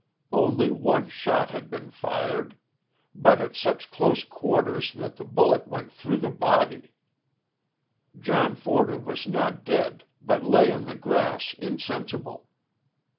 Only one shot had been fired, but at such close quarters that the bullet went through the body. John Forder was not dead, but lay on the grass insensible.